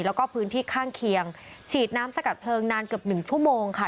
แล้วก็พื้นที่ข้างเคียงฉีดน้ำสกัดเพลิงนานเกือบหนึ่งชั่วโมงค่ะ